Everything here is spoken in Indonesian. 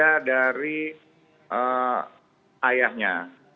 ada dari ayahnya